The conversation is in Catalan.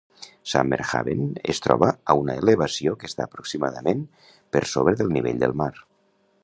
Summerhaven es troba a una elevació que està aproximadament per sobre del nivell del mar.